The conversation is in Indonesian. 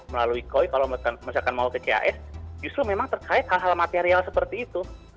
melalui koi kalau misalkan mau ke cas justru memang terkait hal hal material seperti itu